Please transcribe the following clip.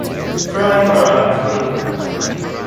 Premaratne.